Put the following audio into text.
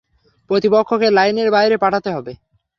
প্রতিপক্ষকে লাইনের বাইরে পাঠাতে হবে।